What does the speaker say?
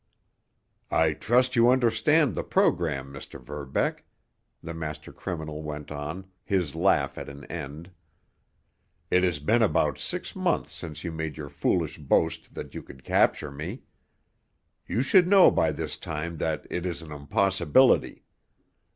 "I trust you understand the program, Mr. Verbeck," the master criminal went on, his laugh at an end. "It has been about six months since you made your foolish boast that you could capture me. You should know by this time that it is an impossibility.